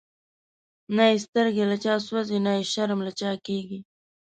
نه یی سترگی له چا سوځی، نه یی شرم له چا کیږی